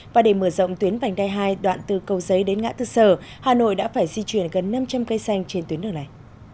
và để mở rộng tuyến vành đai hai đoạn từ cầu giấy đến ngã tư sở hà nội đã phải di chuyển gần năm trăm linh cây xanh trên tuyến đường này